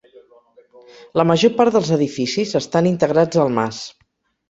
La major part dels edificis estan integrats al mas.